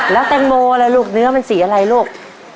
แล้วแตงโมล่ะลูกเนื้อมันสีอะไรลูก